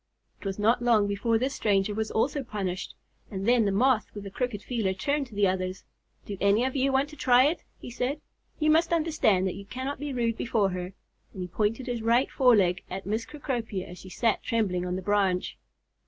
It was not long before this stranger also was punished, and then the Moth with the crooked feeler turned to the others. "Do any of you want to try it?" he said. "You must understand that you cannot be rude before her." And he pointed his right fore leg at Miss Cecropia as she sat trembling on the branch.